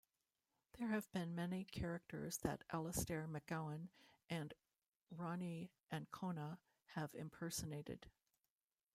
There have been many characters that Alistair McGowan and Ronni Ancona have impersonated.